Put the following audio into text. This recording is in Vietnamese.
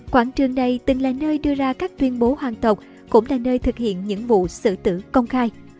quảng trường này từng là nơi đưa ra các tuyên bố hoàng tộc cũng là nơi thực hiện những vụ sử tử công khai